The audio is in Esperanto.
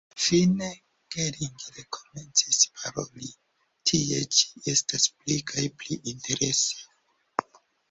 Fine Gering rekomencis paroli: « Tie ĉi estas pli kaj pli interese ».